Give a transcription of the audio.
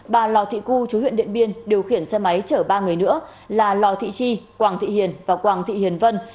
bà lò thị cư chú huyện điện biên điều khiển xe máy chở ba người nữa là lò thị chi quảng thị hiền và quang thị hiền vân